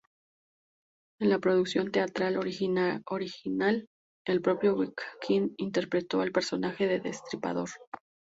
En la producción teatral original, el propio Wedekind interpretó al personaje del Destripador.